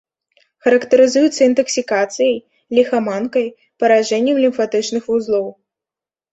Характарызуецца інтаксікацыяй, ліхаманкай, паражэннем лімфатычных вузлоў.